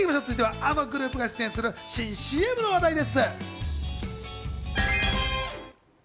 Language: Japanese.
あのグループが出演する新ＣＭの話題です。